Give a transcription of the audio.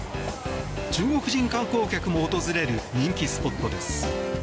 中国人観光客も訪れる人気スポットです。